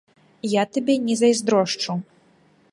Я табе не зайздрошчу.